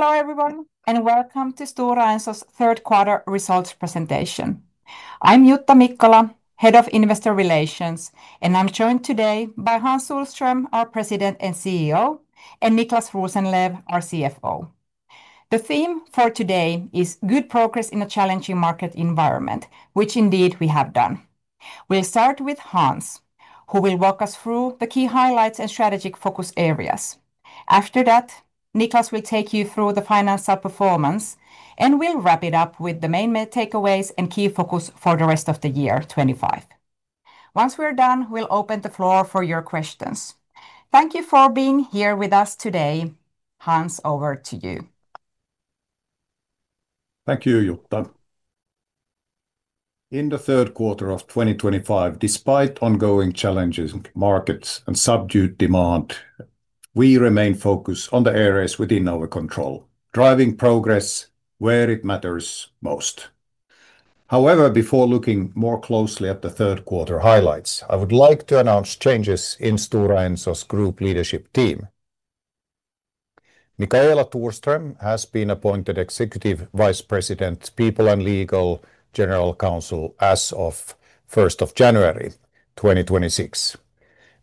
Hello everyone and welcome to Stora Enso's third quarter results presentation. I'm Jutta Mikkola, Head of Investor Relations, and I'm joined today by Hans Sohlström, our President and CEO, and Niclas Rosenlew, our CFO. The theme for today is good progress in a challenging market environment, which indeed we have done. We'll start with Hans, who will walk us through the key highlights and strategic focus areas. After that, Niclas will take you through the financial performance and we'll wrap it up with the main takeaways and key focus for the rest of the year. Once we're done, we'll open the floor for your questions. Thank you for being here with us today. Hans, over to you. Thank you, Jutta. In the third quarter of 2025, despite ongoing challenges in markets and subdued demand, we remain focused on the areas within our control driving progress where it matters most. However, before looking more closely at the third quarter highlights, I would like to announce changes in Stora Enso's Group Leadership Team. Michaela Torström has been appointed Executive Vice President, People and Legal General Counsel as of January 1st, 2026.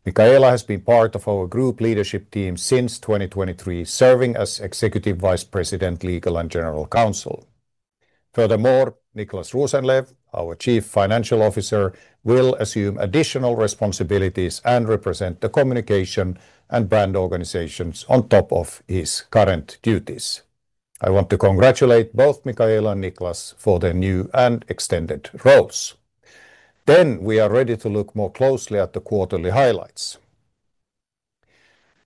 Michaela has been part of our Group Leadership Team since 2023, serving as Executive Vice President, Legal and General Counsel. Furthermore, Niclas Rosenlew, our Chief Financial Officer, will assume additional responsibilities and represent the Communication and Brand organizations on top of his current duties. I want to congratulate both Michaela and Niclas for their new and extended roles. We are ready to look more closely at the quarterly highlights.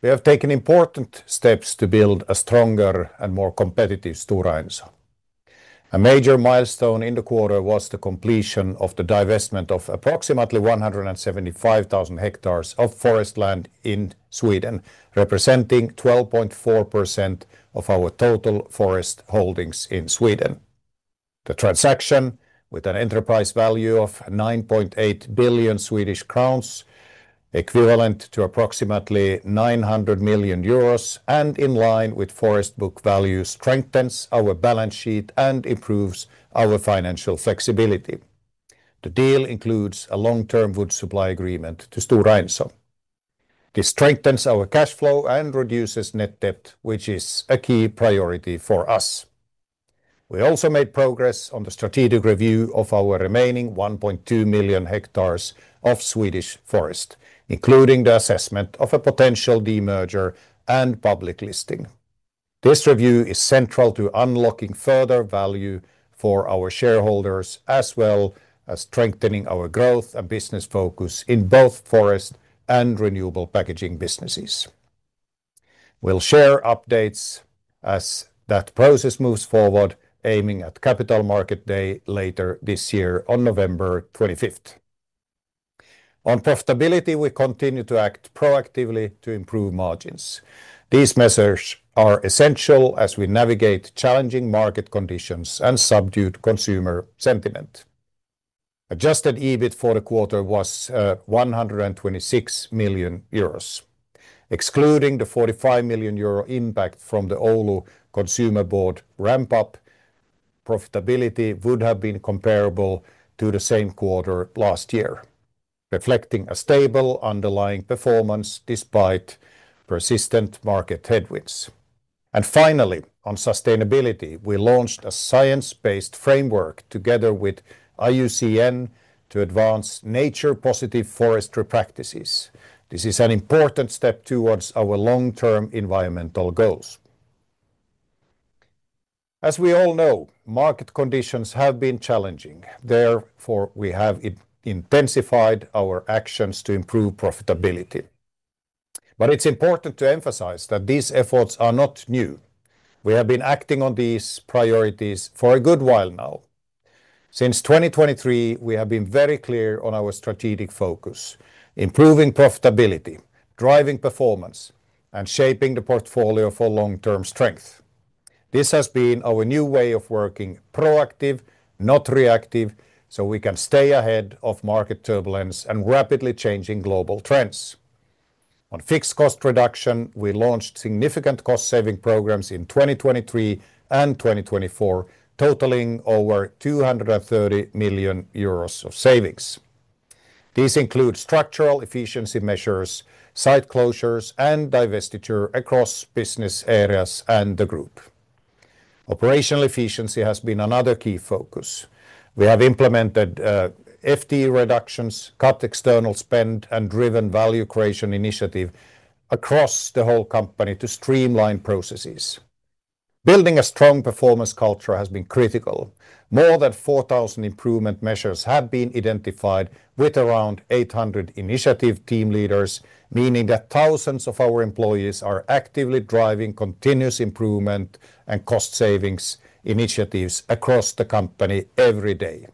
We have taken important steps to build a stronger and more competitive Stora Enso. A major milestone in the quarter was the completion of the divestment of approximately 175,000 hectares of forest land in Sweden, representing 12.4% of our total forest holdings in Sweden. The transaction, with an enterprise value of 9.8 billion Swedish crowns, equivalent to approximately 900 million euros and in line with forest book value, strengthens our balance sheet and improves our financial flexibility. The deal includes a long-term wood supply agreement to Stora Enso. This strengthens our cash flow and reduces net debt, which is a key priority for us. We also made progress on the strategic review of our remaining 1.2 million hectares of Swedish forest, including the assessment of a potential demerger and public listing. This review is central to unlocking further value for our shareholders as well as strengthening our growth and business focus in both forest and renewable packaging businesses. We will share updates as that process moves forward, aiming at Capital Markets Day later this year on November 25th. On profitability, we continue to act proactively to improve margins. These measures are essential as we navigate challenging market conditions and subdued consumer sentiment. Adjusted EBIT for the quarter was 126 million euros excluding the 45 million euro impact from the Oulu Consumer Board ramp-up. Profitability would have been comparable to the same quarter last year, reflecting a stable underlying performance despite persistent market headwinds. Finally, on sustainability, we launched a science-based framework together with IUCN to advance nature-positive forestry practices. This is an important step towards our long-term environmental goals. As we all know, market conditions have been challenging. Therefore, we have intensified our actions to improve profitability. It's important to emphasize that these efforts are not new. We have been acting on these priorities for a good while now. Since 2023, we have been very clear on our strategy: improving profitability, driving performance, and shaping the portfolio for long-term strength. This has been our new way of working—proactive, not reactive—so we can stay ahead of market turbulence and rapidly changing global trends. On fixed cost reduction, we launched significant cost-saving programs in 2023 and 2024 totaling over 230 million euros of savings. These include structural efficiency measures, site closures, and divestiture across business areas and the group. Operational efficiency has been another key focus. We have implemented FTE reductions, cut external spend, and driven value creation initiatives across the whole company to streamline processes. Building a strong performance culture has been critical. More than 4,000 improvement measures have been identified, with around 800 initiative team leaders, meaning that thousands of our employees are actively driving continuous improvement and cost savings initiatives across the company every day.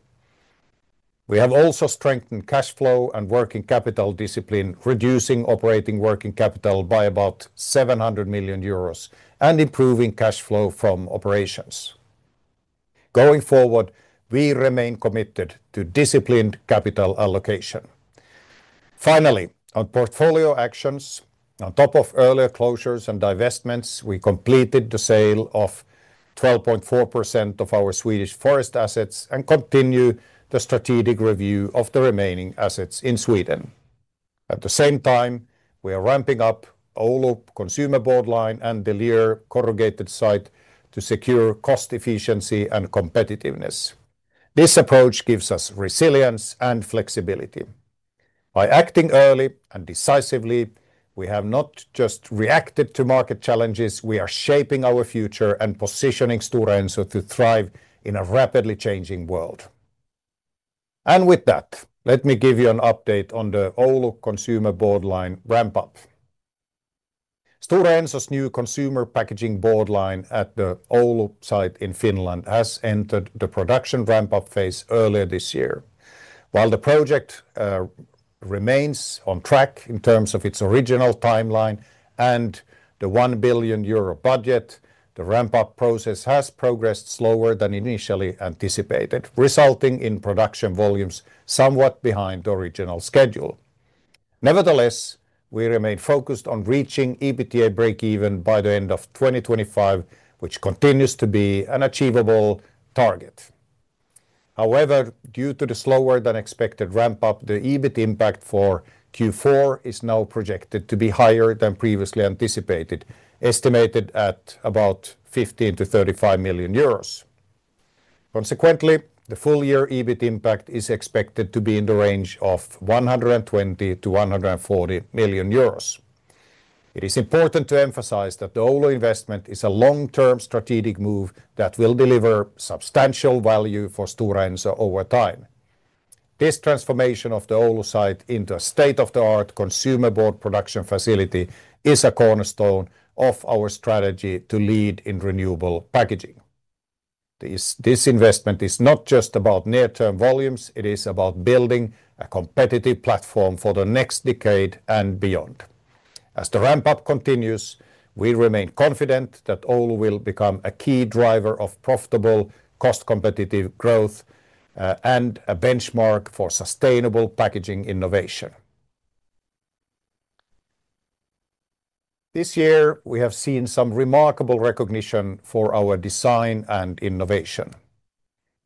We have also strengthened cash flow and working capital discipline, reducing operating working capital by about 700 million euros and improving cash flow from operations. Going forward, we remain committed to disciplined capital allocation. On portfolio actions, on top of earlier closures and divestments, we completed the sale of 12.4% of our Swedish forest assets and continue the strategic review of the remaining assets in Sweden. At the same time, we are ramping up Oulu Consumer Board line and De Lier Corrugated site to secure cost efficiency and competitiveness. This approach gives us resilience and flexibility by acting early and decisively. We have not just reacted to market challenges. We are shaping our future and positioning Stora Enso to thrive in a rapidly changing world. With that, let me give you an update on the Oulu Consumer Board line ramp-ups. Stora Enso's new consumer packaging board line at the Oulu site in Finland has entered the production ramp-up phase earlier this year. While the project remains on track in terms of its original timeline and the 1 billion euro budget, the ramp-up process has progressed slower than initially anticipated, resulting in production volumes somewhat behind the original schedule. Nevertheless, we remain focused on reaching EBITDA breakeven by the end of 2025, which continues to be an achievable target. However, due to the slower than expected ramp-up, the EBIT impact for Q4 is now projected to be higher than previously anticipated, estimated at about 50 million to 35 million euros. Consequently, the full year EBIT impact is expected to be in the range of 120 million-140 million euros. It is important to emphasize that the Oulu investment is a long-term strategic move that will deliver substantial value for Stora Enso over time. This transformation of the Oulu site into a state-of-the-art consumer board production facility is a cornerstone of our strategy to lead in renewable packaging. This investment is not just about near-term volumes, it is about building a competitive platform for the next decade and beyond. As the ramp-up continues, we remain confident that Oulu will become a key driver of profitable, cost-competitive growth and a benchmark for sustainable packaging innovation. This year we have seen some remarkable recognition for our design and innovation.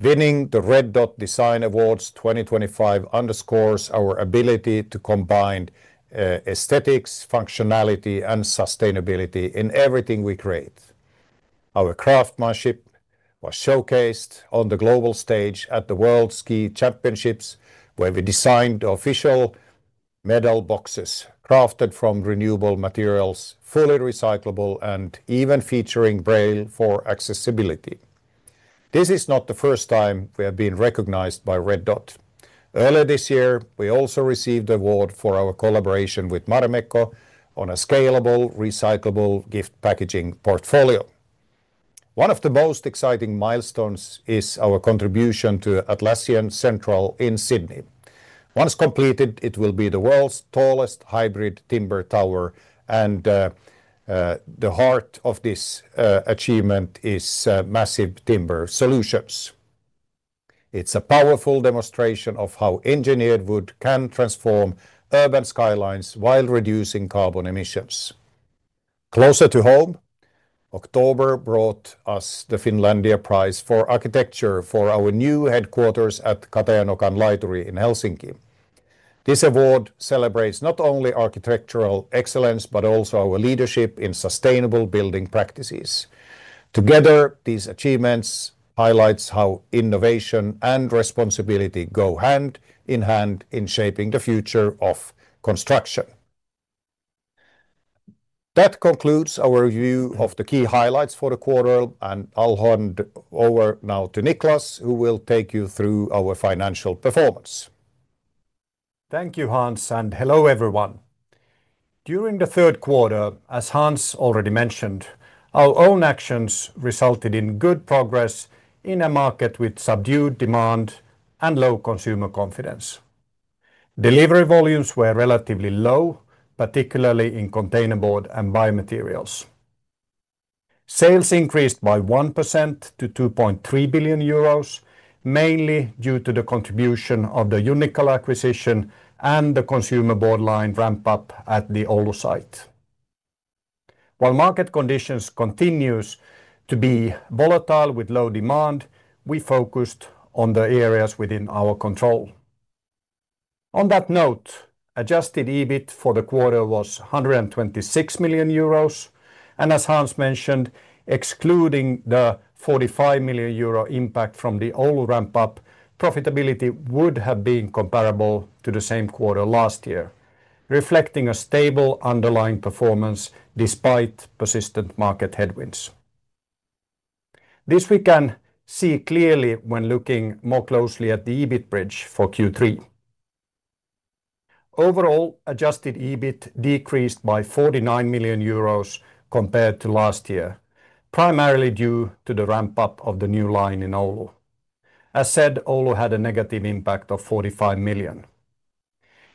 Winning the Red Dot Design Awards 2025 underscores our ability to combine aesthetics, functionality, and sustainability in everything we create. Our craftsmanship was showcased on the global stage at the World Ski Championships where we designed official medal boxes crafted from renewable materials, fully recyclable and even featuring braille for accessibility. This is not the first time we have been recognized by Red Dot. Earlier this year we also received the award for our collaboration with Marimekko on a scalable, recyclable gift packaging portfolio. One of the most exciting milestones is our contribution to Atlassian Central in Sydney. Once completed, it will be the world's tallest hybrid timber tower. At the heart of this achievement is massive timber solutions. It is a powerful demonstration of how engineered wood can transform urban skylines while reducing carbon emissions. Closer to home, October brought us the Finlandia Prize for Architecture for our new headquarters at Katajanokan Laituri in Helsinki. This award celebrates not only architectural excellence, but also our leadership in sustainable building practices. Together, these achievements highlight how innovation and responsibility go hand in hand in shaping the future of construction. That concludes our review of the key highlights for the quarter, and I'll hand over now to Niclas who will take you through our financial performance. Thank you Hans and hello everyone. During the third quarter, as Hans already mentioned, our own actions resulted in good progress in a market with subdued demand and low consumer confidence. Delivery volumes were relatively low, particularly in containerboard and biomaterials. Sales increased by 1% to 2.3 billion euros, which was mainly due to the contribution of the Junnikkala acquisition and the consumer board line ramp-up at the Oulu site. While market conditions continue to be volatile with low demand, we focused on the areas within our control. On that note, adjusted EBIT for the quarter was 126 million euros. As Hans mentioned, excluding the 45 million euro impact from the Oulu ramp-up, profitability would have been comparable to the same quarter last year, reflecting a stable underlying performance despite persistent market headwinds. This we can see clearly when looking more closely at the EBIT bridge for Q3. Overall, adjusted EBIT decreased by 49 million euros compared to last year, primarily due to the ramp-up of the new line in Oulu. As said, Oulu had a negative impact of 45 million.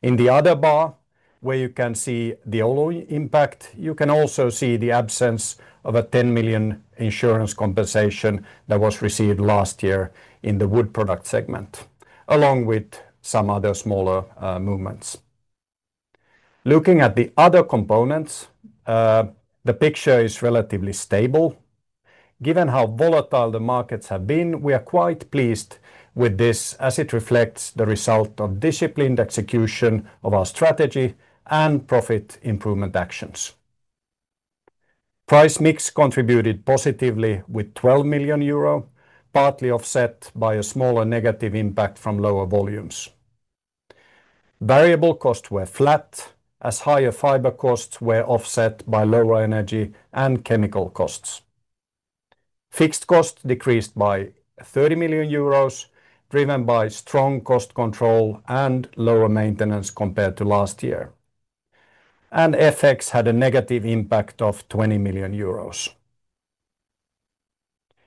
In the other bar, where you can see the Oulu impact, you can also see the absence of a 10 million insurance compensation that was received last year in the wood product segment along with some other smaller movements. Looking at the other components, the picture is relatively stable given how volatile the markets have been. We are quite pleased with this as it reflects the result of disciplined execution of our strategy and profit improvement actions. Price mix contributed positively with 12 million euro, partly offset by a smaller negative impact from lower volumes. Variable costs were flat as higher fiber costs were offset by lower energy and chemical costs. Fixed costs decreased by 30 million euros driven by strong cost control and lower maintenance compared to last year, and FX had a negative impact of 20 million euros.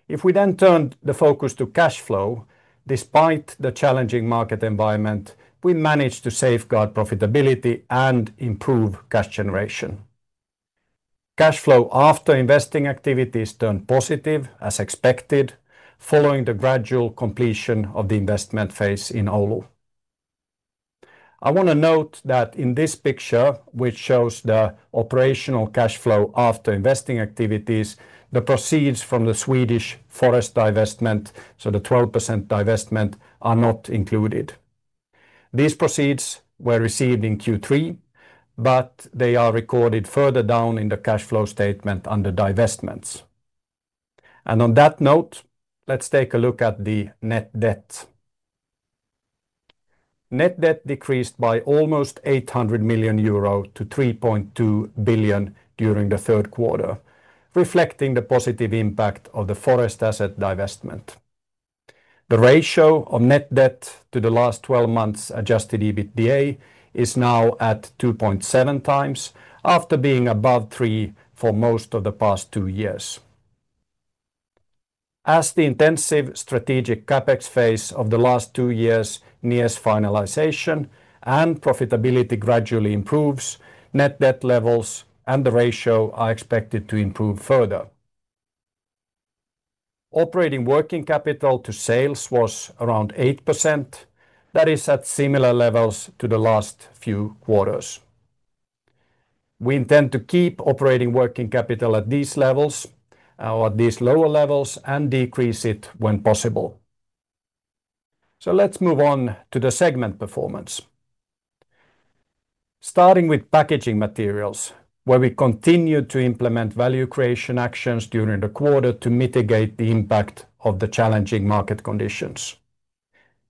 If we then turn the focus to cash flow, despite the challenging market environment, we managed to safeguard profitability and improve cash generation. Cash flow after investing activities turned positive as expected following the gradual completion of the investment phase in Oulu. I want to note that in this picture, which shows the operational cash flow after investing activities, the proceeds from the Swedish forest divestment, so the 12% divestment, are not included. These proceeds were received in Q3, but they are recorded further down in the cash flow statement under divestments. On that note, let's take a look at the net debt. Net debt decreased by almost 800 million euro to 3.2 billion during the third quarter, reflecting the positive impact of the forest asset divestment. The ratio of net debt to the last 12 months adjusted EBITDA is now at 2.7x after being above 3x for most of the past two years. As the intensive strategic CapEx phase of the last two years nears finalization and profitability gradually improves, net debt levels and the ratio are expected to improve further. Operating working capital to sales was around 8%, that is at similar levels to the last few quarters. We intend to keep operating working capital at these levels or at these lower levels and decrease it when possible. Let's move on to the segment performance starting with packaging materials where we continued to implement value creation actions during the quarter to mitigate the impact of the challenging market conditions.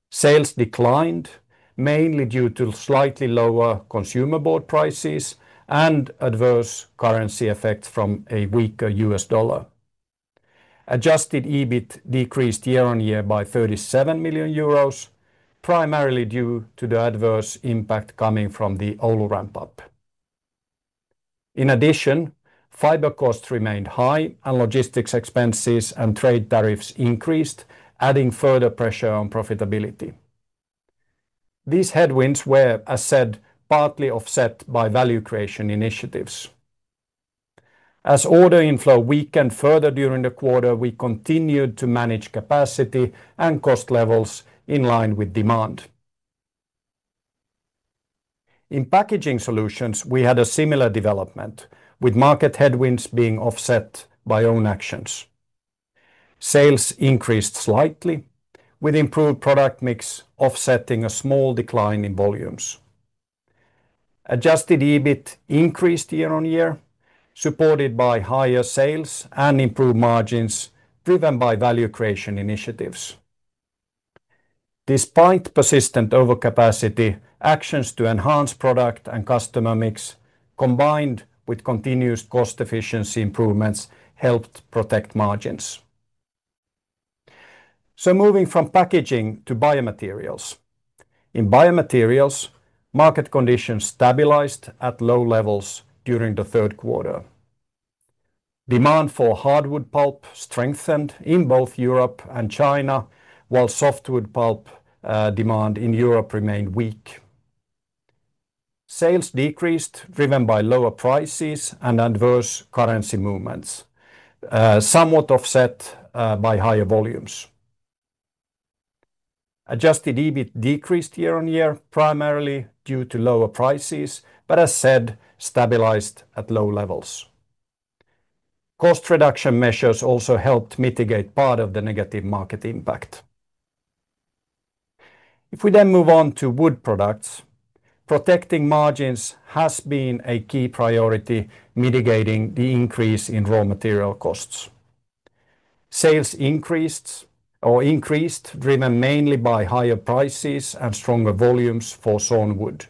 Sales declined mainly due to slightly lower consumer board prices and adverse currency effects from a weaker U.S. dollar. Adjusted EBIT decreased year on year by 37 million euros primarily due to the adverse impact coming from the Oulu ramp-up. In addition, fiber costs remained high and logistics expenses and trade tariffs increased, adding further pressure on profitability. These headwinds were, as said, partly offset by value creation initiatives. As order inflow weakened further during the quarter, we continued to manage capacity and cost levels in line with demand. In packaging solutions, we had a similar development with market headwinds being offset by own actions. Sales increased slightly with improved product mix, offsetting a small decline in volumes. Adjusted EBIT increased year on year supported by higher sales and improved margins driven by value creation initiatives. Despite persistent overcapacity, actions to enhance product and customer mix combined with continuous cost efficiency improvements helped protect margins. Moving from packaging to biomaterials, in biomaterials, market conditions stabilized at low levels during the third quarter. Demand for hardwood pulp strengthened in both Europe and China, while softwood pulp demand in Europe remained weak. Sales decreased driven by lower prices and adverse currency movements, somewhat offset by higher volumes. Adjusted EBIT decreased year on year primarily due to lower prices, but as said, stabilized at low levels. Cost reduction measures also helped mitigate part of the negative market impact. If we then move on to wood products, protecting margins has been a key priority, mitigating the increase in raw material costs. Sales increased, driven mainly by higher prices and stronger volumes for sawn wood.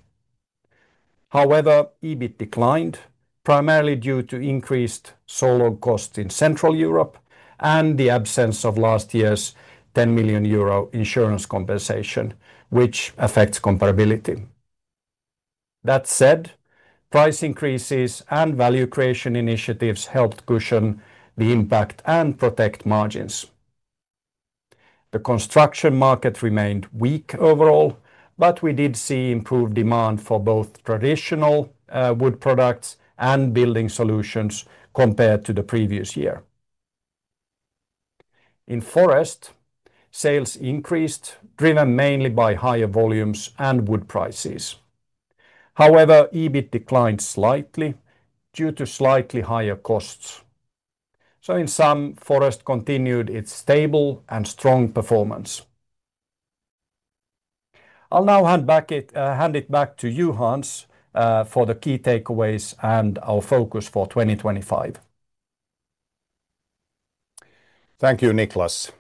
However, EBIT declined primarily due to increased solo costs in Central Europe and the absence of last year's 10 million euro insurance compensation, which affects comparability. That said, price increases and value creation initiatives helped cushion the impact and protect margins. The construction market remained weak overall, yet we did see improved demand for both traditional and wood products and building solutions compared to the previous year. In forest, sales increased, driven mainly by higher volumes and wood prices. However, EBIT declined slightly due to slightly higher costs. In sum, forest continued its stable and strong performance. I'll now hand it back to you, Hans, for the key takeaways and our focus for 2025. Thank you, Niclas.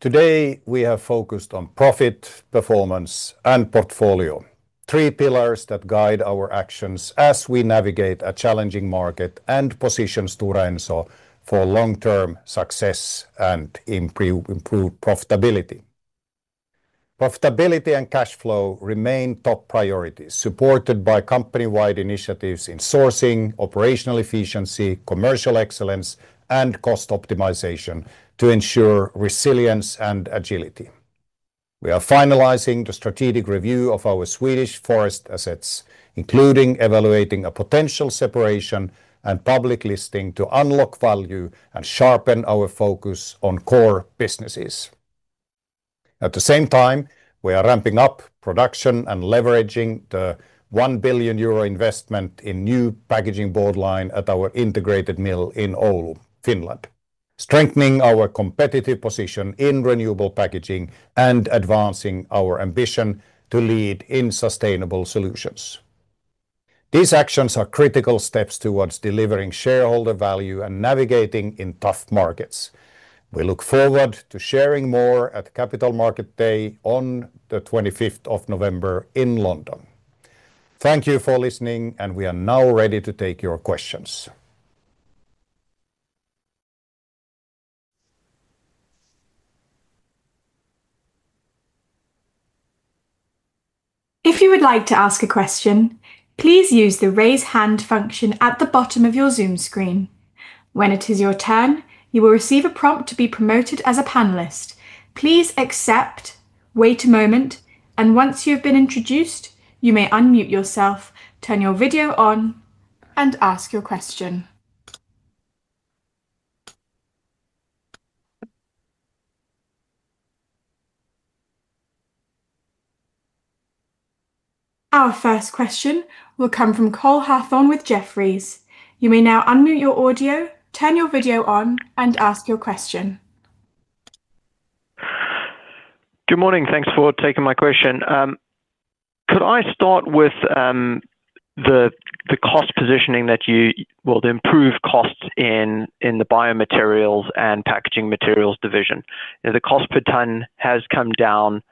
Today we have focused on profit, performance, and portfolio, three pillars that guide our actions as we navigate a challenging market and position Stora Enso for long-term success and improved profitability. Profitability and cash flow remain top priorities, supported by company-wide initiatives in sourcing, operational efficiency, commercial excellence, and cost optimization. To ensure resilience and agility, we are finalizing the strategic review of our Swedish forest assets, including evaluating a potential separation and public listing to unlock value and sharpen our focus on core businesses. At the same time, we are ramping up production and leveraging the 1 billion euro investment in the new packaging board line at our integrated mill in Oulu, Finland, strengthening our competitive position in renewable packaging and advancing our ambition to lead in sustainable solutions. These actions are critical steps towards delivering shareholder value and navigating in tough markets. We look forward to sharing more at Capital Markets Day on November 25th in London. Thank you for listening, and we are now ready to take your questions. If you would like to ask a question, please use the raise hand function at the bottom of your Zoom screen. When it is your turn, you will receive a prompt to be promoted as a panelist. Please accept. Wait a moment, and once you have been introduced, you may unmute yourself, turn your video on, and ask your question. Our first question will come from Cole Hathorn with Jefferies. You may now unmute your audio, turn your video on, and ask your question. Good morning. Thanks for taking my question. Could I start with the cost positioning, the improved costs in the biomaterials and packaging materials division. The cost per ton has come down.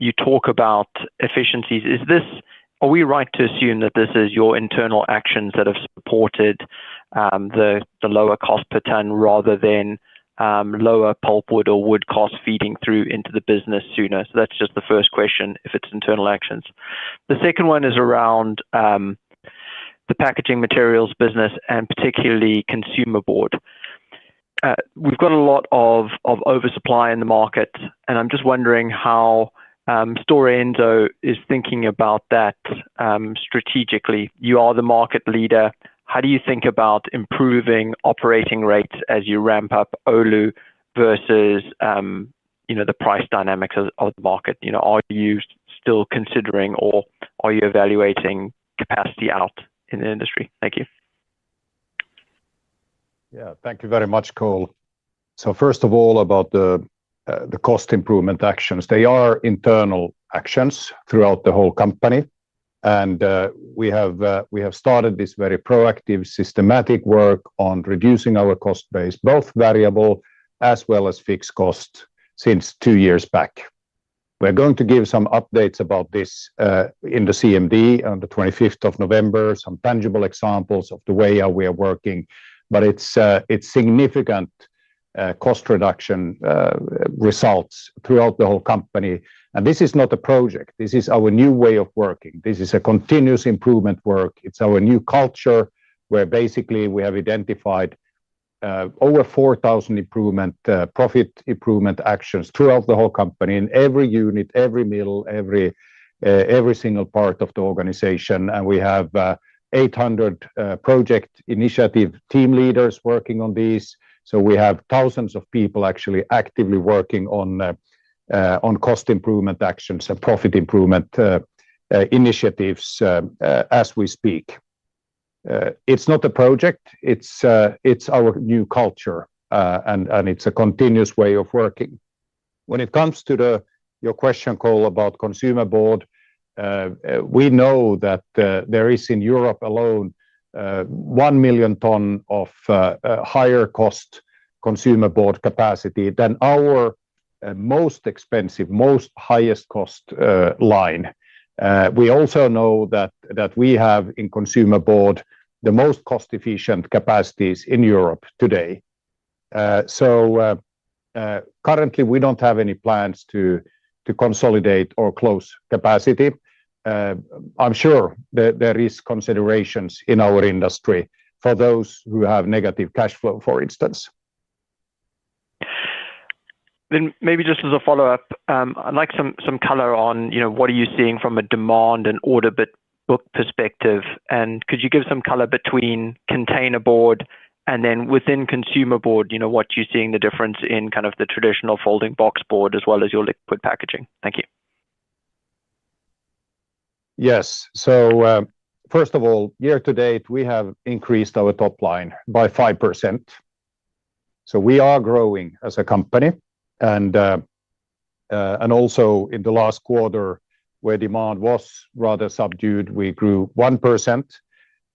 You talk about efficiencies. Are we right to assume that this is your internal actions that have supported the lower cost per ton rather than lower pulp, wood, or wood cost feeding through into the business sooner? That's just the first question, if it's internal actions. The second one is around the packaging materials business and particularly consumer board. We've got a lot of oversupply in the market, and I'm just wondering how Stora Enso is thinking about that. Strategically, you are the market leader. How do you think about improving operating rates as you ramp up Oulu versus the price dynamics of the market? Are you still considering or are you evaluating capacity out in the industry? Thank you. Yeah, thank you very much, Cole. First of all, about the cost improvement actions. They are internal actions throughout the whole company, and we have started this very proactive, systematic work on reducing our cost base, both variable as well as fixed cost, since two years back. We are going to give some updates about this in the Capital Markets Day on November 25th. Some tangible examples of the way we are working, but it's significant cost reduction results throughout the whole company. This is not a project, this is our new way of working. This is a continuous improvement work. It's our new culture where basically we have identified over 4,000 profit improvement actions throughout the whole company, in every unit, every mill, every single part of the organization. We have 800 project initiative team leaders working on these. We have thousands of people actually actively working on cost improvement actions and profit improvement initiatives as we speak. It's not a project, it's our new culture, and it's a continuous way of working. When it comes to your question, Cole, about Consumer Board, we know that there is in Europe alone 1 million ton of higher cost consumer board capacity than our most expensive, most highest cost line. We also know that we have in Consumer Board the most cost efficient capacities in Europe today. Currently, we don't have any plans to consolidate or close capacity. I'm sure there is consideration in our industry for those who have negative cash flow, for instance. I'd like some color on what you are seeing from a demand and order book perspective. Could you give some color between containerboard and, within consumer board, what you're seeing in the difference in kind of the traditional folding box board as well as your liquid packaging? Thank you. Yes. First of all, year to date we have increased our top line by 5%. We are growing as a company, and also in the last quarter where demand was rather subdued, we grew 1%,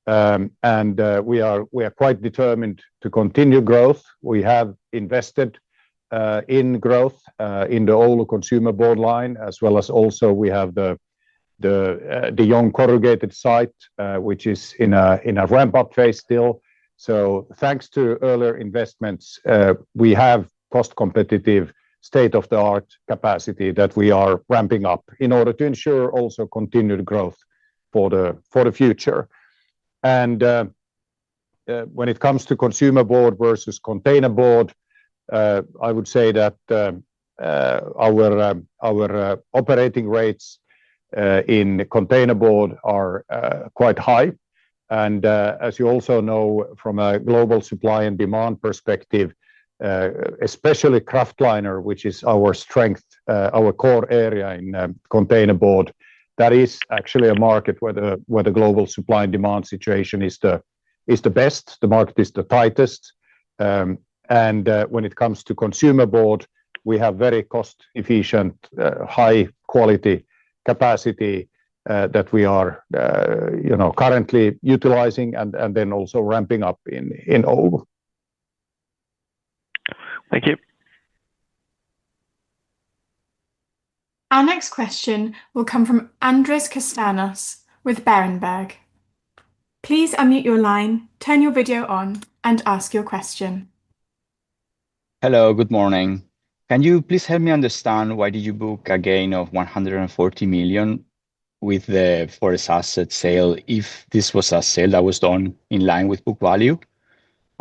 and we are quite determined to continue growth. We have invested in growth in the Oulu Consumer Board line as well as the young corrugated site, which is in a ramp-up phase still. Thanks to earlier investments, we have cost-competitive, state-of-the-art capacity that we are ramping up in order to ensure continued growth for the future. When it comes to Consumer Board versus Containerboard, I would say that our operating rates in Containerboard are quite high. As you also know from a global supply and demand perspective, especially kraftliner, which is our strength, our core area in Containerboard, that is actually a market where the global supply and demand situation is the best. The market is the tightest, and when it comes to Consumer Board, we have very cost-efficient, high-quality capacity that we are currently utilizing and also ramping up in Oulu. Thank You. Our next question will come from Andres Castanos with Berenberg. Please unmute your line, turn your video on, and ask your question. Hello, good morning. Can you please help me understand why did you book a gain of 140 million with the forest asset sale? This was a sale that was done in line with book value?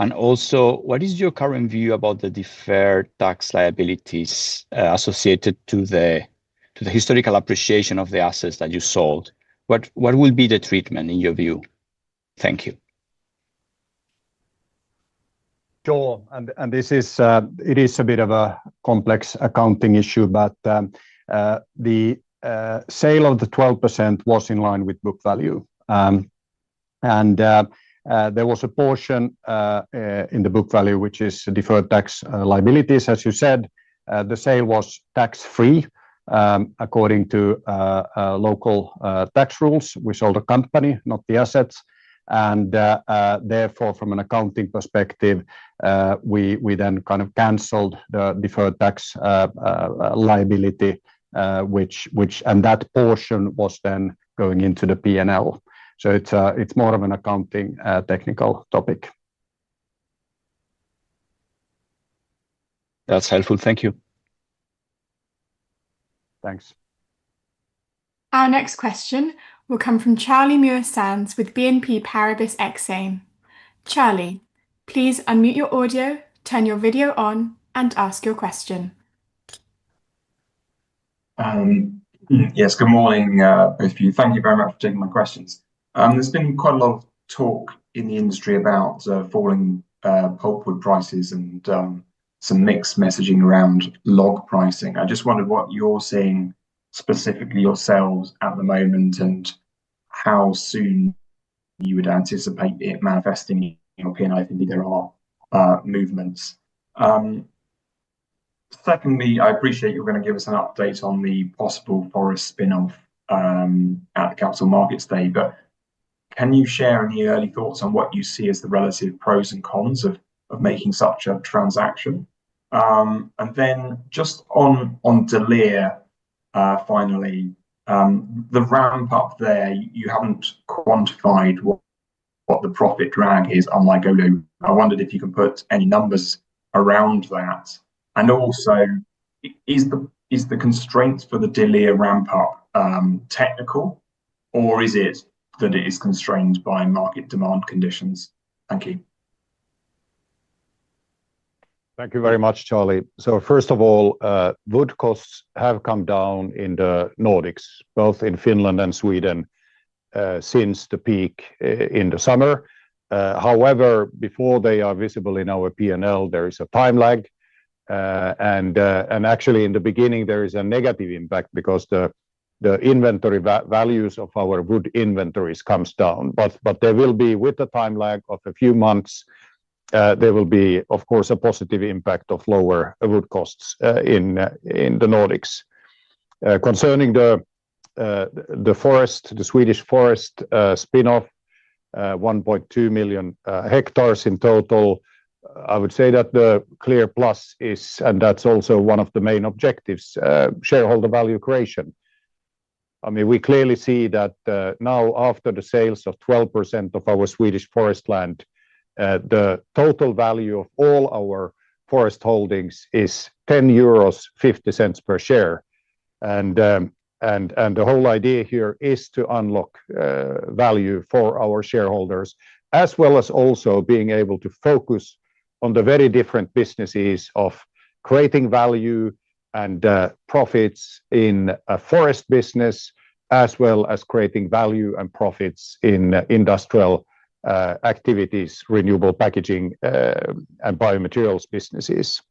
What is your current view about the deferred tax liabilities associated to the historical appreciation of the assets that you sold? What will be the treatment in your view? Thank you. [Joel]. It is a bit of a complex accounting issue, but the sale of the 12% was in line with book value, and there was a portion in the book value which is deferred tax liabilities. As you said, the sale was tax free according to local tax rules. We sold a company, not the assets, and therefore from an accounting perspective, we then kind of cancelled the deferred tax liability, and that portion was then going into the P&L. It is more of an accounting technical topic. That's helpful, thank you. Thanks. Our next question will come from Charlie Muir-Sands with BNP Paribas Exane. Charlie, please unmute your audio, turn your video on, and ask your question. Yes, good morning both of you. Thank you very much for taking my questions. There's been quite a lot of talk in the industry about falling pulpwood prices and some mixed messaging around log pricing. I just wondered what you're seeing specifically yourselves at the moment and how soon you would anticipate it manifesting if indeed there are movements. Secondly, I appreciate you're going to give us an update on the possible forest spin-off at the Capital Markets Day, but can you share any early thoughts on what you see as the relative pros and cons of making such a transaction? Then just on Oulu, finally, the ramp-up there, you haven't quantified what the profit drag is. Unlike Oulu, I wondered if you can put any numbers around that. Also, is the constraint for the Oulu ramp-up technical or is it that it is constrained by market demand conditions? Thank you. Thank you very much, Charlie. First of all, wood costs have come down in the Nordics, both in Finland and Sweden, since the peak in the summer. However, before they are visible in our P&L, there is a time lag and actually in the beginning there is a negative impact because the inventory values of our wood inventories come down. With the time lag of a few months, there will be of course a positive impact of lower wood costs in the Nordics. Concerning the forest, the Swedish forest spin-off, 1.2 million hectares in total. I would say that the clear plus is, and that's also one of the main objectives, shareholder value creation. We clearly see that now after the sales of 12% of our Swedish forest land, the total value of all our forest holdings is 10.50 euros per share. The whole idea here is to unlock value for our shareholders as well as also being able to focus on the very different businesses of creating value and profits in a forest business, as well as creating value and profits in industrial activities, renewable packaging, and biomaterials businesses.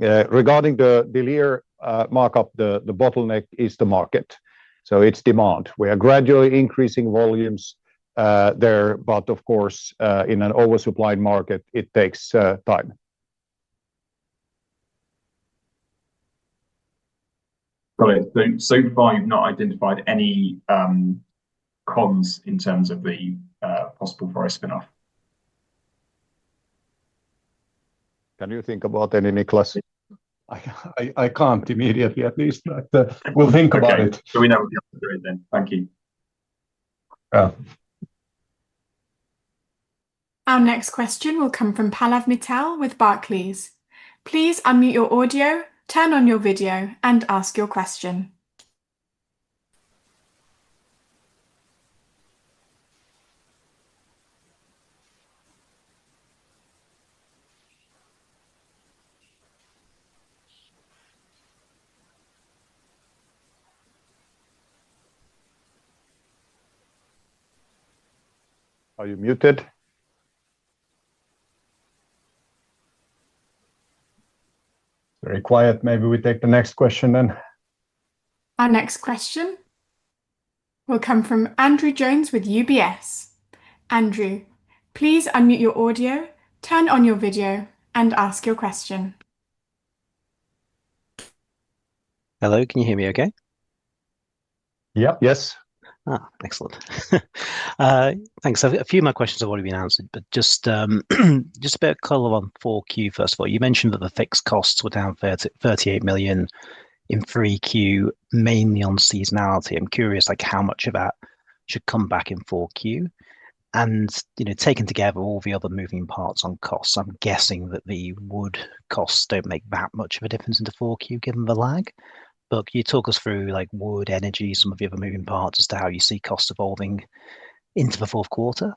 Regarding the Oulu ramp-up, the bottleneck is the market, so it's demand. We are gradually increasing volumes there. In an oversupplied market, it takes time. Got it. So far you've not identified any cons in terms of the possible forest spin-off. Can you think about any, Niclas? I can't immediately at least, but we'll think about it then. Thank you. Our next question will come from Pallav Mittal with Barclays. Please unmute your audio, turn on your video, and ask your question. Are you muted? Very quiet. Maybe we take the next question. Our next question will come from Andrew Jones with UBS. Andrew, please unmute your audio, turn on your video, and ask your question. Hello, can you hear me okay? Yep. Yes. Excellent, thanks. A few of my questions have already been answered, but just a bit of color on 4Q. First of all, you mentioned that the fixed costs were down 30 million in 3Q mainly on seasonality. I'm curious how much of that should come back in 4Q, and taken together all the other moving parts on costs, I'm guessing that the wood costs don't make that much of a difference into 4Q given the lag. Can you talk us through wood energy, some of the other moving parts as to how you see costs evolving into the fourth quarter?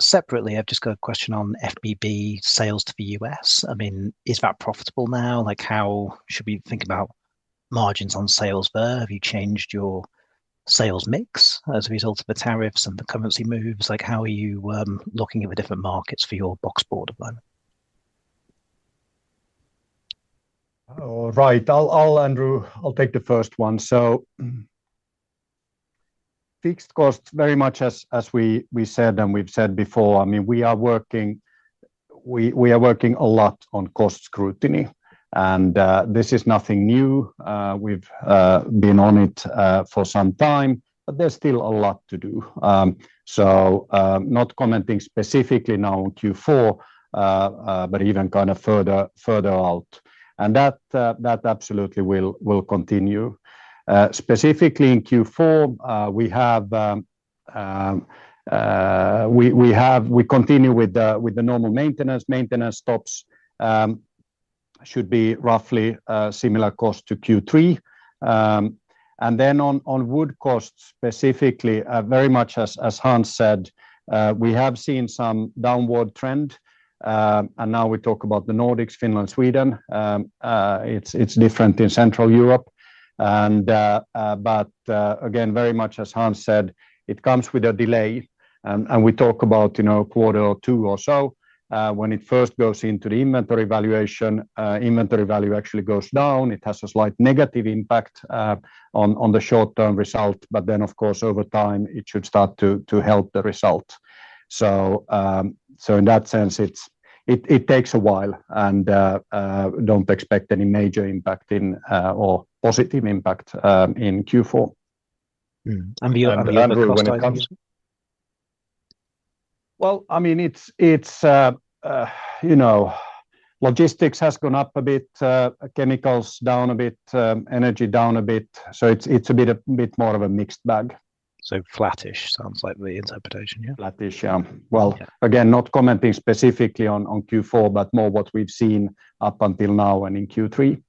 Separately, I've just got a question on FBB sales to the U.S. Is that profitable now? How should we think about margins on sales there? Have you changed your sales mix as a result of the tariffs and the currency moves? How are you looking at the different markets for your box board at the moment? Right, Andrew, I'll take the first one. Fixed cost very much, as we said and we've said before. We are working a lot on cost scrutiny and this is nothing new. We've been on it for some time, but there's still a lot to do. Not commenting specifically now on Q4, but even kind of further, further out and that absolutely will continue. Specifically in Q4, we continue with the normal maintenance. Maintenance stops should be roughly similar cost to Q3. On wood costs specifically, very much as Hans said, we have seen some downward trend. Now we talk about the Nordics, Finland, Sweden, it's different in Central Europe. Very much as Hans said, it comes with a delay and we talk about a quarter or two or so. When it first goes into the inventory valuation, inventory value actually goes down. It has a slight negative impact on the short term result. Over time it should start to help the result. In that sense it takes a while and don't expect any major impact or positive impact in Q4. When it comes to. Logistics has gone up a bit, chemicals down a bit, energy down a bit. It's a bit more of a mixed bag. Flattish sounds like the interpretation. Flattish. Yeah. Not commenting specifically on Q4, but more what we've seen up until now and in Q3.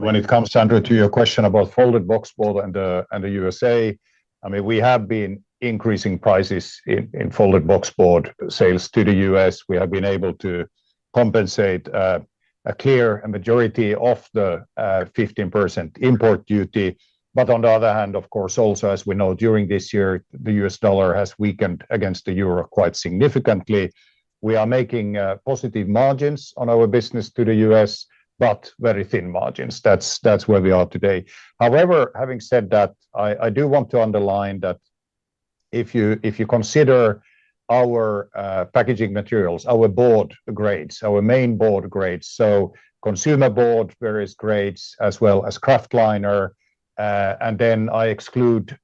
When it comes Andrew, to your question about folded box board and the U.S.A. I mean we have been increasing prices in folded box board sales to the U.S. We have been able to compensate a clear majority of the 15% import duty. On the other hand, of course also as we know during this year the U.S. dollar has weakened against the euro quite significantly. We are making positive margins on our business to the U.S. but very thin margins. That's where we are today. However, having said that, I do want to underline that if you consider our packaging materials, our board grades, our main board grades, so consumer board, various grades as well as craft liner, and then I exclude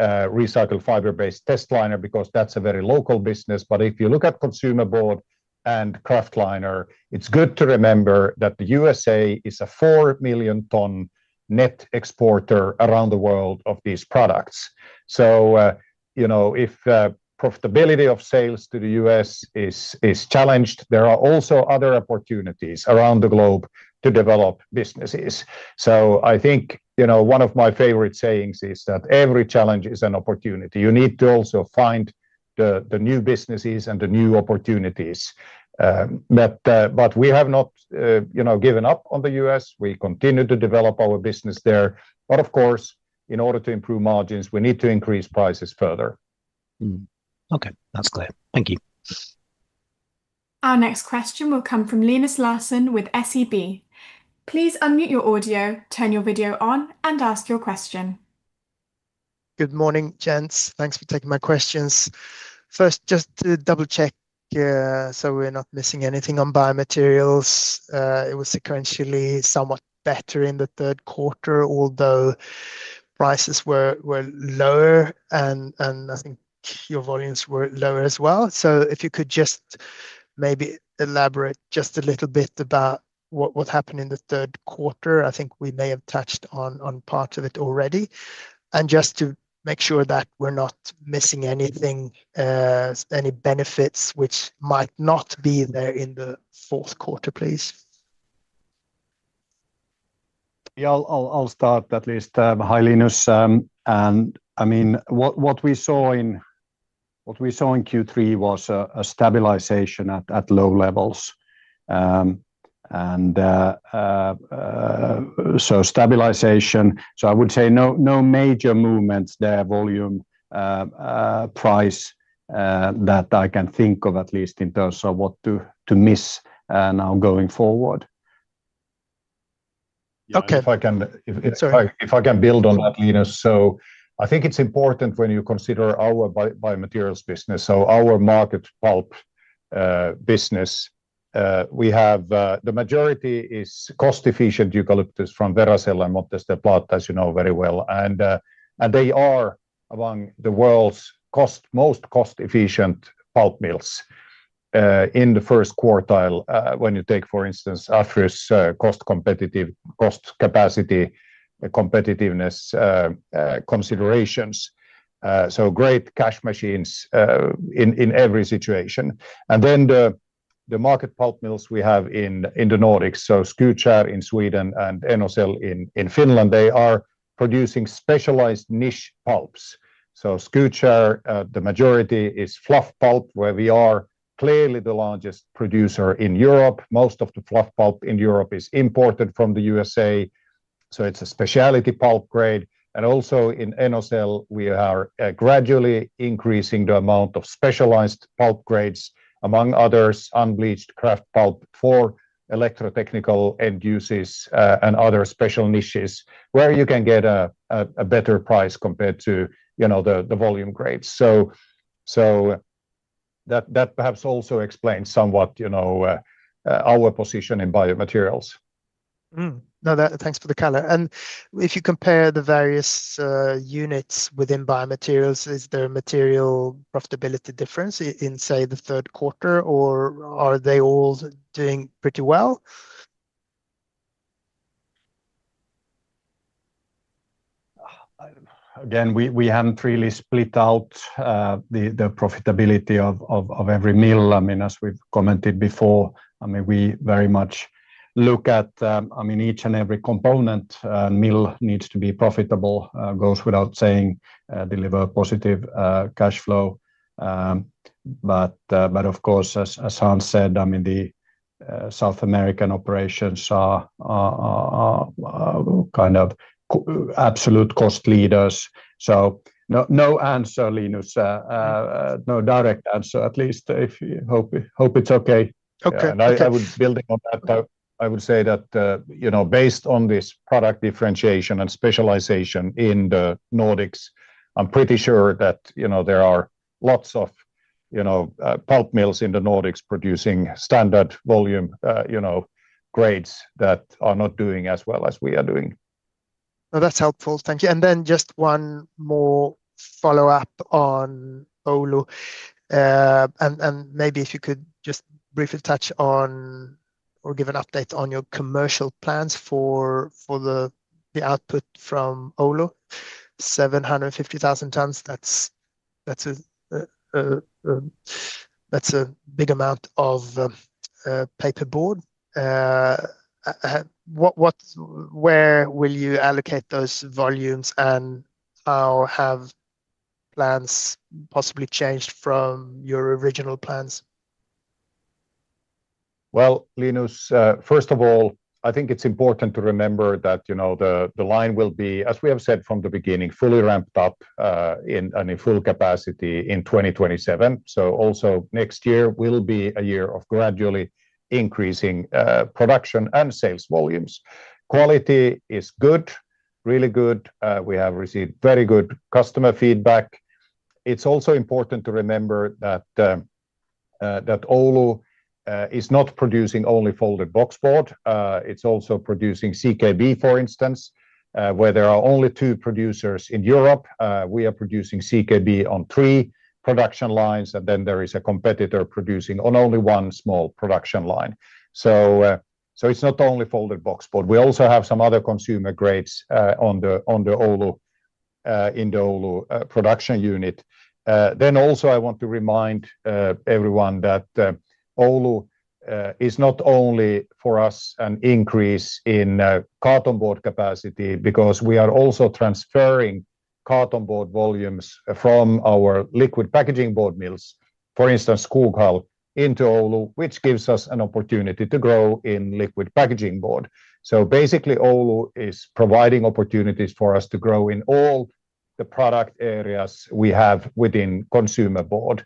recycled fiber based test liner because that's a very local business. If you look at consumer board and craft liner, it's good to remember that the U.S.A. is a 4 million tonne net exporter around the world of these products. If profitability of sales to the U.S. is challenged, there are also other opportunities around the globe to develop businesses. I think one of my favorite sayings is that every challenge is an opportunity. You need to also find the new businesses and the new opportunities. We have not given up on the U.S. We continue to develop our business there. Of course, in order to improve margins, we need to increase prices further. Okay, that's great, thank you. Our next question will come from Linus Larsson with SEB. Please unmute your audio, turn your video on, and ask your question. Good morning, gents. Thanks for taking my questions first. Just to double check, we're not missing anything on biomaterials. It was sequentially somewhat better in the third quarter, although prices were lower and I think your volumes were lower as well. If you could just maybe elaborate just a little bit about what happened in the third quarter, I think we may have touched on part of it already. Just to make sure that we're not missing anything, any benefits which might not be there in the fourth quarter, please. I'll start at least, Linus. What we saw in Q3 was a stabilization at low levels, a stabilization. I would say no major movements there, volume or price that I can think of at least in terms of what to miss now going forward. Okay. If I can build on that, Linus. I think it's important when you consider our biomaterials business. Our market pulp business, we have the majority as cost efficient eucalyptus from Veracel and Montes del Plata, as you know very well. They are among the world's most cost efficient pulp mills in the first quartile when you take, for instance, average cost, competitive cost, capacity, competitiveness considerations. Great cash machines in every situation. The market pulp mills we have in the Nordics, Skutskär in Sweden and Enocell in Finland, are producing specialized niche pulps. Skutskär, the majority is fluff pulp where we are clearly the largest producer in Europe. Most of the fluff pulp in Europe is imported from the U.S.A., so it's a specialty pulp grade. In Enocell, we are gradually increasing the amount of specialized pulp grades, among others, unbleached kraft pulp for electrotechnical end uses and other special niches where you can get a better price compared to the volume grades. That perhaps also explains somewhat our position in biomaterials. Thanks for the color. If you compare the various units within biomaterials, is there a material profitability difference in, say, the third quarter, or are they all doing pretty well? We haven't really split out the profitability of every mill. As we've commented before, we very much look at each and every component mill needing to be profitable, goes without saying, deliver positive cash flow. Of course, as Hans said, the South American operations are kind of absolute cost leaders. No answer, Linus. No direct answer. At least if you hope. Hope it's okay. Okay. I was building on that. I would say that, you know, based on this product differentiation and specialization in the Nordics, I'm pretty sure that, you know, there are lots of, you know, pulp mills in the Nordics producing standard volume, you know, grades that are not doing as well as we are doing. That's helpful. Thank you. Just one more follow up on Oulu, and maybe if you could just briefly touch on or give an update on your commercial plans for the output from Oulu's 750,000 tons. That's a big amount of paperboard. Where will you allocate those volumes, and how have plans possibly changed from your original plans? Linus, first of all, I think it's important to remember that the line will be, as we have said from the beginning, fully ramped up in full capacity in 2027. Also, next year will be a year of gradually increasing production and sales volumes. Quality is good, really good. We have received very good customer feedback. It's also important to remember that Oulu is not producing only folded box board. It's also producing CKB. For instance, where there are only two producers in Europe, we are producing CKB on three production lines, and then there is a competitor producing on only one small production line. It's not only folded box board, we also have some other consumer grades in the Oulu production unit. I want to remind everyone that Oulu is not only for us an increase in carton board capacity because we are also transferring carton board volumes from our liquid packaging board mills, for instance, Kugal, into Oulu, which gives us an opportunity to grow in liquid packaging board. Basically, Oulu is providing opportunities for us to grow in all the product areas we have within consumer board: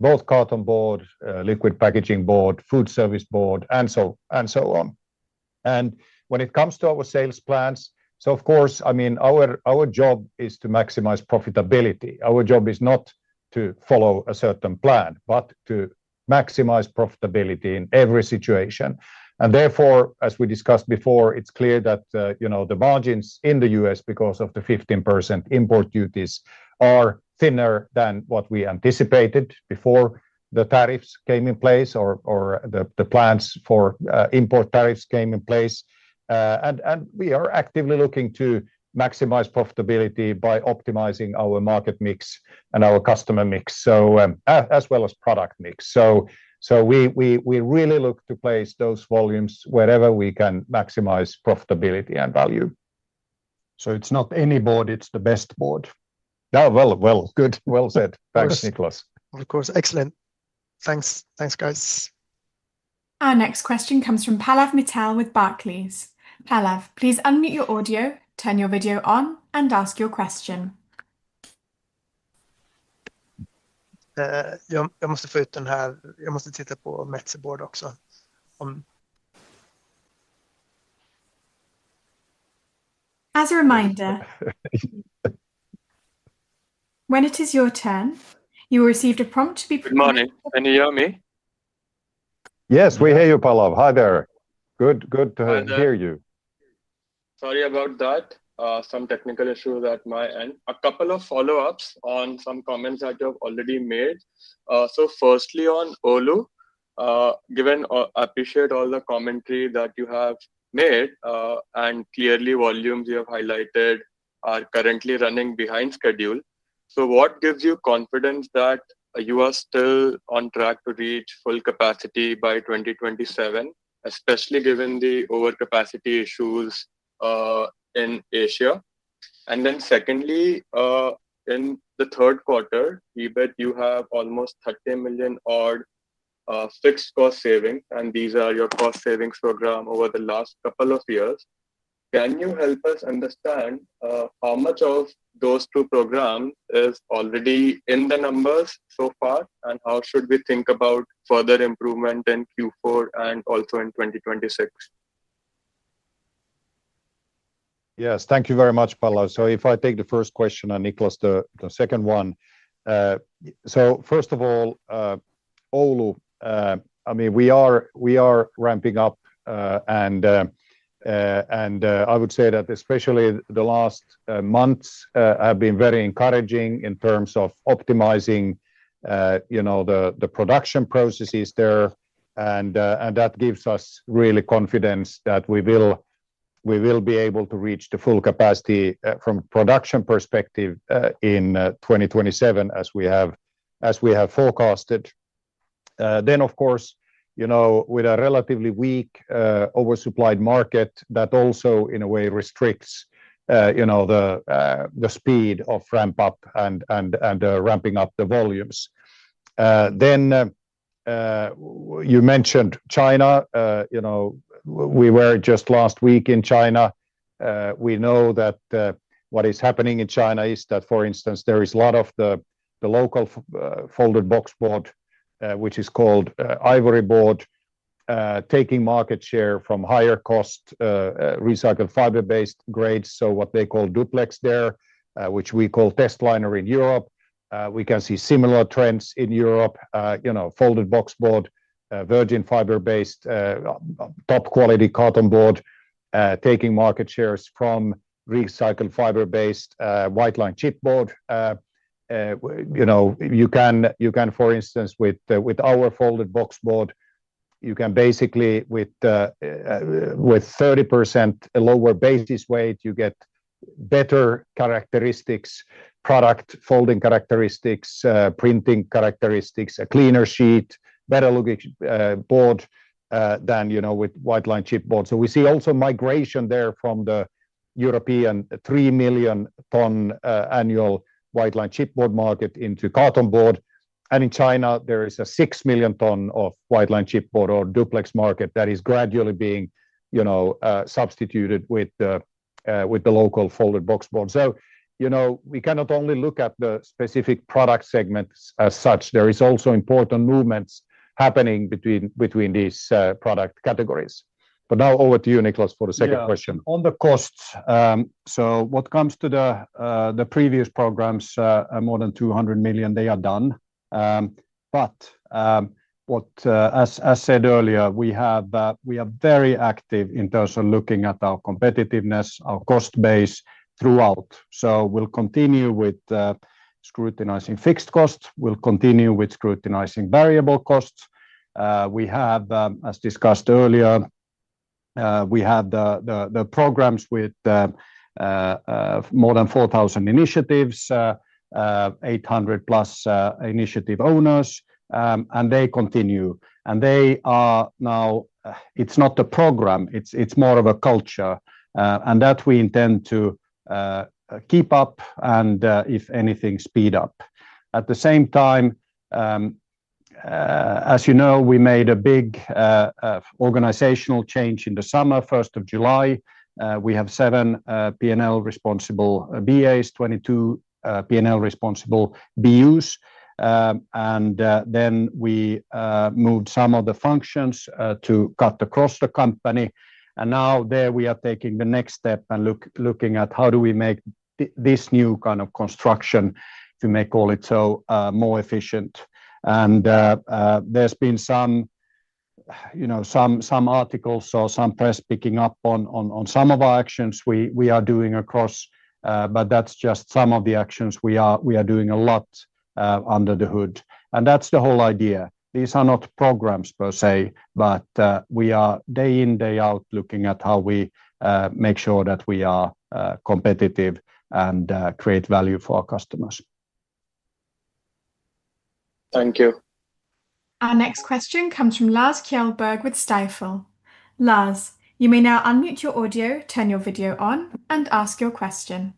both carton board, liquid packaging board, food service board, and so on. When it comes to our sales plans, our job is to maximize profitability. Our job is not to follow a certain plan, but to maximize profitability in every situation. As we discussed before, it's clear that the margins in the U.S. because of the 15% import duties are thinner than what we anticipated before the tariffs came in place or the plans for import tariffs came in place. We are actively looking to maximize profitability by optimizing our market mix and our customer mix, as well as product mix. We really look to place those volumes wherever we can maximize profitability and value. It's not any board, it's the best board. Good, well said. Thanks, Niclas. Of course, excellent. Thanks. Thanks, guys. Our next question comes from Pallav Mittal with Barclays. Pallav, please unmute your audio, turn your video on, and ask your question. On. As a reminder, when it is your turn, you received a prompt to be. Good morning, can you hear me? Yes, we hear you, Pallav. Hi there. Good, good to hear you. Sorry about that. Some technical issues at my end. A couple of follow-ups on some comments that you have already made. Firstly, on Oulu, appreciate all the commentary that you have made and clearly volumes you have highlighted are currently running behind schedule. What gives you confidence that you are still on track to reach full capacity by 2027, especially given the overcapacity issues in Asia? Secondly, in the third quarter, EBIT, you have almost 30 million odd fixed cost saving and these are your cost savings program over the last couple of years. Can you help us understand how much of those two programs is already in the numbers so far and how should we think about further improvement in Q4 and also in 2026? Yes, thank you very much, Pallav. If I take the first question and Niclas the second one. First of all, Oulu, we are ramping up and I would say that especially the last months have been very encouraging in terms of optimizing the production processes there. That gives us really confidence that we will be able to reach the full capacity from production perspective in 2027 as we have forecasted. Of course, with a relatively weak oversupplied market, that also in a way restricts the speed of ramp-up and ramping up the volumes. You mentioned China. We were just last week in China. We know that what is happening in China is that, for instance, there is a lot of the local folded box board, which is called ivory board, taking market share from higher cost recycled fiber-based grades. What they call duplex there, which we call test liner in Europe. We can see similar trends in Europe. Folded box board, virgin fiber-based, top quality carton board, taking market shares from recycled fiber-based white line chipboard. For instance, with our folded box board, you can basically, with 30% lower basis weight, get better characteristics, product folding characteristics, printing characteristics, a cleaner sheet, better looking board than with white line chipboard. We see also migration there from the European 3 million ton annual white line chipboard market into carton board. In China, there is a 6 million ton of white line chipboard or duplex market that is gradually being substituted with the local folded box board. We cannot only look at the specific product segments as such. There are also important movements happening between these product categories. Now over to you, Niclas the second question. On the costs. What comes to the previous programs, more than $200 million they are done. As said earlier, we are very active in terms of looking at our competitiveness, our cost base throughout. We'll continue with scrutinizing fixed costs, we'll continue with scrutinizing variable costs. We have, as discussed earlier, the programs with more than 4,000 initiatives, 800+ initiative owners and they continue and they are now, it's not a program, it's more of a culture and that we intend to keep up and, if anything, speed up. At the same time, as you know, we made a big organizational change in the summer, 1st of July. We have seven P&L responsible BAs, 22 P&L responsible BUs. Then we moved some of the functions to cut across the company and now we are taking the next step and looking at how do we make this new kind of construction, if you may call it so, more efficient. There have been some articles or some press picking up on some of our actions we are doing across. That's just some of the actions; we are doing a lot under the hood. That's the whole idea. These are not programs per se, but we are day in, day out looking at how we make sure that we are competitive and create value for our customers. Thank you. Our next question comes from Lars Kjellberg with Stifel. Lars, you may now unmute your audio, turn your video on, and ask your question.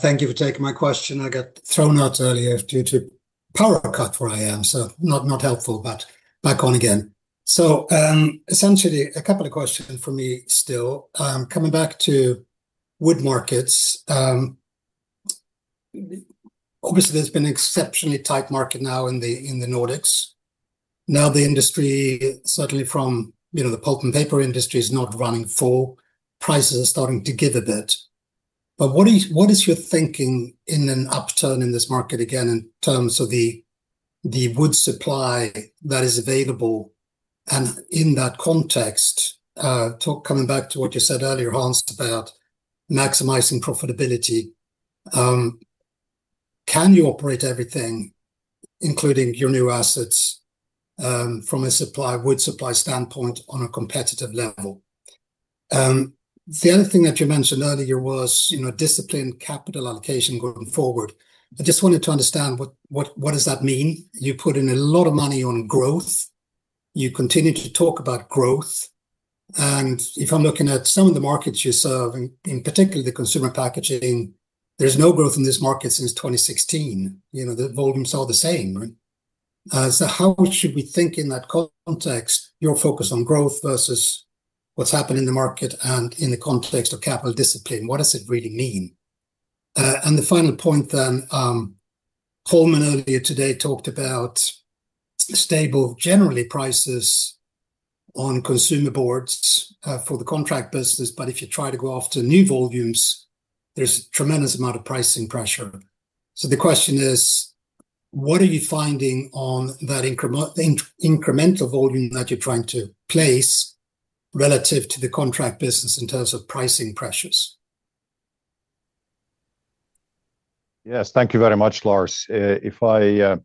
Thank you for taking my question. I got thrown out earlier due to a power cut where I am, so not helpful. Back on again. Essentially, a couple of questions for me. Coming back to wood markets, obviously there's been an exceptionally tight market now in the Nordics. The industry, certainly from the pulp and paper industry, is not running full. Prices are starting to give a bit. What is your thinking in an upturn in this market again in terms of the wood supply that is available? In that context, coming back to what you said earlier, Hans, about maximizing profitability, can you operate everything, including your new assets, from a wood supply standpoint on a competitive level? The other thing that you mentioned earlier was disciplined capital allocation going forward. I just wanted to understand what that means. You put in a lot of money on growth. You continue to talk about growth. If I'm looking at some of the markets you serve, in particular the consumer packaging, there's no growth in this market since 2016. The volumes are the same. How should we think in that context, your focus on growth versus what's happened in the market, and in the context of capital discipline, what does it really mean? The final point, then, Cole earlier today talked about stable, generally, prices on consumer board for the contract business. If you try to go after new volumes, there's a tremendous amount of pricing pressure. The question is, what are you finding on that incremental volume that you're trying to place relative to the contract business in terms of pricing pressures? Yes, thank you very much, Lars. I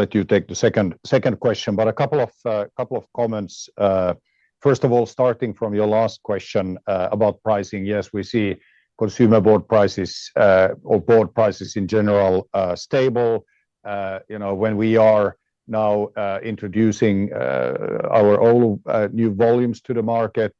let you take the second question, but a couple of comments. First of all, starting from your last question about pricing, yes, we see consumer board prices or board prices in general stable. When we are now introducing our own new volumes to the market,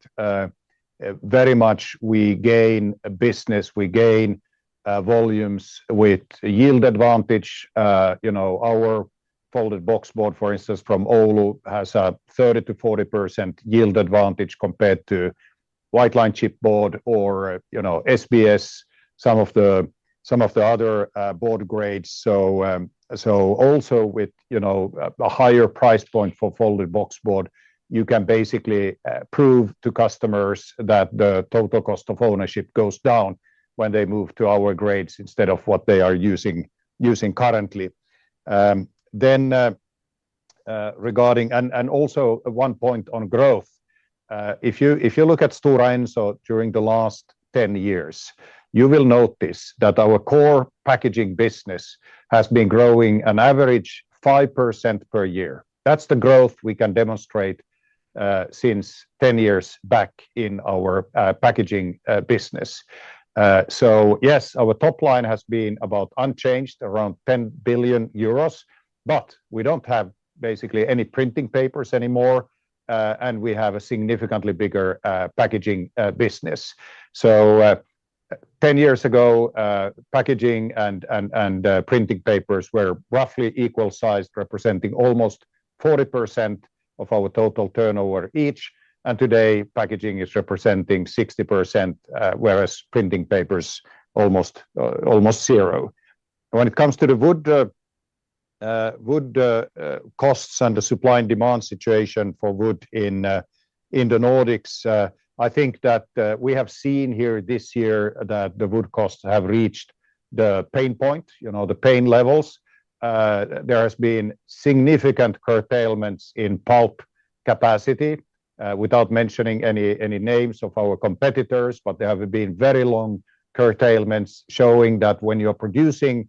very much we gain business, we gain volumes with yield advantage. Our folded box board, for instance from Oulu, has a 30%-40% yield advantage compared to white lined chipboard or SBS, some of the other board grades. Also, with a higher price point for folded box board, you can basically prove to customers that the total cost of ownership goes down when they move to our grades instead of what they are using currently. Then regarding, and also one point on growth, if you look at Stora Enso during the last 10 years, you will notice that our core packaging business has been growing an average 5% per year. That's the growth we can demonstrate since 10 years back in our packaging business. Yes, our top line has been about unchanged, around 10 billion euros. We don't have basically any printing papers anymore and we have a significantly bigger packaging business. Ten years ago, packaging and printing papers were roughly equal sized, representing almost 40% of our total turnover each. Today, packaging is representing 60%, whereas printing papers almost zero. When it comes to the wood costs and the supply and demand situation for wood in the Nordics, I think that we have seen here this year that the wood costs have reached the pain point, the pain levels. There have been significant curtailments in pulp capacity without mentioning any names of our competitors, but there have been very long curtailments showing that when you're producing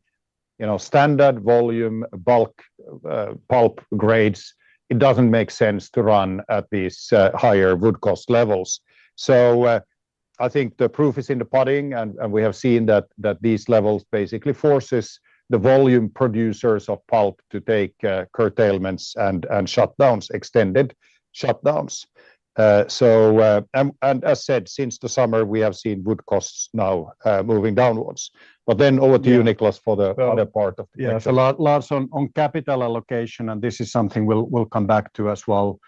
standard volume bulk pulp grades, it doesn't make sense to run at these higher wood cost levels. I think the proof is in the pudding and we have seen that these levels basically force the volume producers of pulp to take curtailments and shutdowns, extended shutdowns. As said, since the summer we have seen wood costs now moving downwards. Over to you, Niclas, for the other part of the. Yes, a lot, Lars, on capital allocation. This is something we'll come back to as well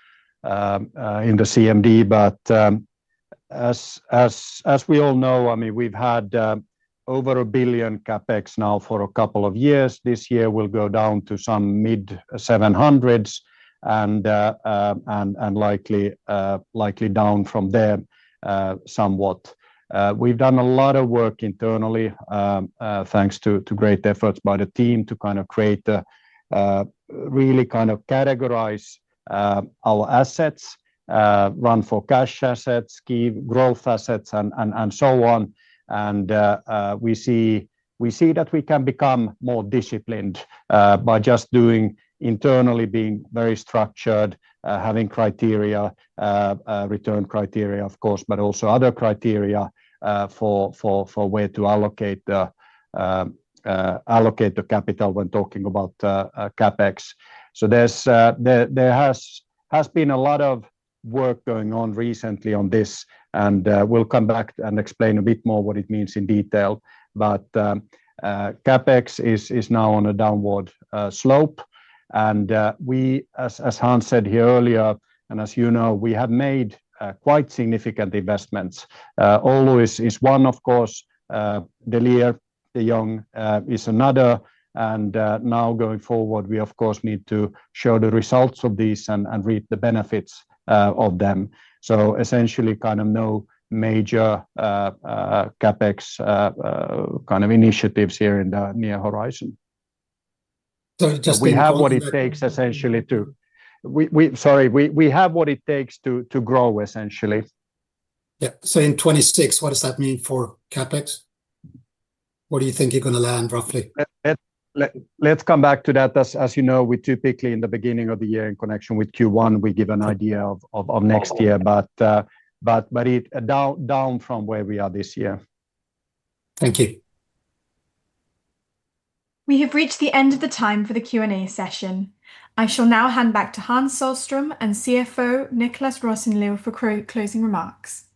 in the Capital Markets Day. As we all know, we've had over 1 billion CapEx now for a couple of years. This year will go down to some mid-EUR 700 million and likely down from there somewhat. We've done a lot of work internally thanks to great efforts by the team to really categorize our assets, run for cash assets, key growth assets, and so on. We see that we can become more disciplined by just doing internally, being very structured, having criteria, return criteria of course, but also other criteria for where to allocate the capital when talking about CapEx. There has been a lot of work going on recently on this and we'll come back and explain a bit more what it means in detail. CapEx is now on a downward slope and, as Hans said here earlier, and as you know, we have made quite significant investments. Oulu is one, of course, De Lier, De Jong is another. Now going forward, we of course need to show the results of these and reap the benefits of them. Essentially, no major CapEx initiatives here in the near horizon. We have what it takes essentially to. We have what it takes to grow essentially. Yeah, in 2026, what does that mean for CapEx? What do you think you're going to land roughly? Let's come back to that. As you know, we typically in the beginning of the year in connection with Q1, we give an idea of next year, but it is down from where we are this year. Thank you. We have reached the end of the time for the Q&A session. I shall now hand back to Hans Sohlström and CFO Niclas Rosenlew for closing remarks.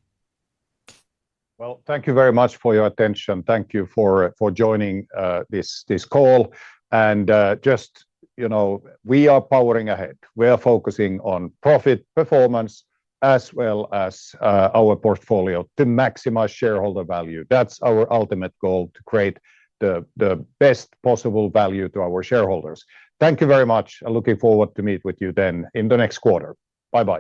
Thank you very much for your attention. Thank you for joining this call. We are powering ahead. We are focusing on profit performance as well as our portfolio to maximize shareholder value. That's our ultimate goal to create the best possible value to our shareholders. Thank you very much. I'm looking forward to meet with you then in the next quarter. Bye bye.